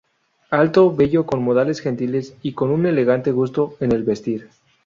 Alto, bello, con modales gentiles y con un elegante gusto en el vestir.